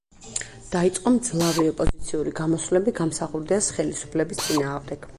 დაიწყო მძლავრი ოპოზიციური გამოსვლები გამსახურდიას ხელისუფლების წინააღმდეგ.